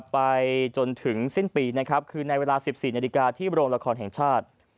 ไปจนถึงสิ้นปีนะครับคือในเวลา๑๔นาฬิกาที่โรงละครแห่งชาติ